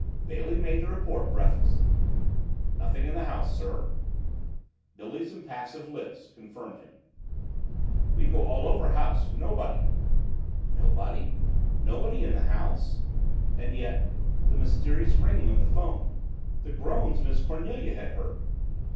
Bailey made his report breathlessly. "Nothing in the house, sir." Billy's impassive lips confirmed him. "We go all over house nobody!" Nobody nobody in the house! And yet the mysterious ringing of the phone the groans Miss Cornelia had heard!